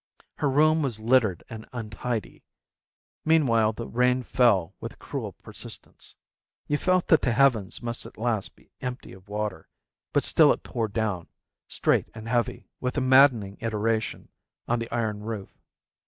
Her room was littered and untidy. Meanwhile the rain fell with a cruel persistence. You felt that the heavens must at last be empty of water, but still it poured down, straight and heavy, with a maddening iteration, on the iron roof.